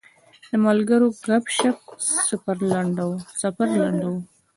د ملګرو ګپ شپ سفر لنډاوه.